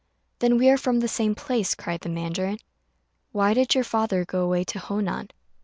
"Then we are from the same place," cried the mandarin. "Why did your father go away to Honan?"